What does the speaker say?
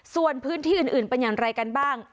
ส่วนพื้นที่อื่นเป็นอย่างไรกันบ้าง